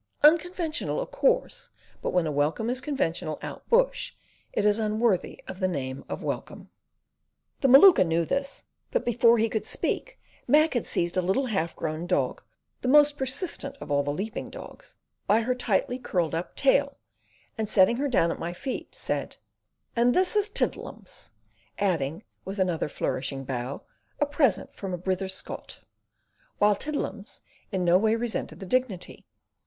Unconventional, of course; but when a welcome is conventional out bush, it is unworthy of the name of welcome. The Maluka, knew this well, but before he could speak, Mac had seized a little half grown dog—the most persistent of all the leaping dogs—by her tightly curled up tail, and, setting her down at my feet, said: "And this is Tiddle'ums," adding, with another flourishing bow, "A present from a Brither Scot," while Tiddle'ums in no way resented the dignity.